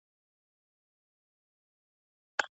د درملو ناوړه ګټه اخیستنه څه ده؟